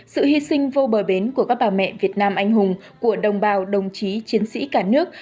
sự hy sinh vô bờ bến của các bà mẹ việt nam anh hùng của đồng bào đồng chí chiến sĩ cả nước